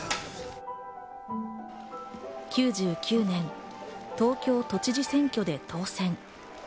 ９９年、東京都知事選挙で当選。